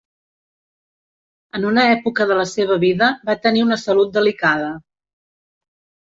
En una època de la seva vida va tenir una salut delicada.